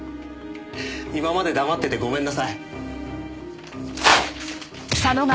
今まで黙っててごめんなさい。